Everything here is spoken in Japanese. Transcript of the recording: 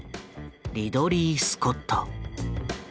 リドリー・スコット。